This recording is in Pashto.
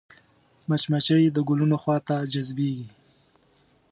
مچمچۍ د ګلونو خوا ته جذبېږي